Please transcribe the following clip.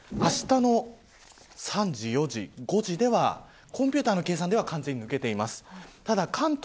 あしたの３時、４時、５時ではコンピューターの計算では完全に抜けています。